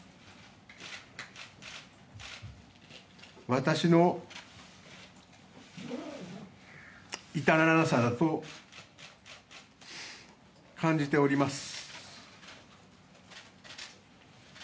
私の至らなさだと感じております。